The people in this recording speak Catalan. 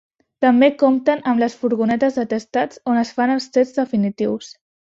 També compten amb les furgonetes d'atestats on es fan els tests definitius.